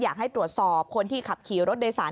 อยากให้ตรวจสอบคนที่ขับขี่รถโดยสาร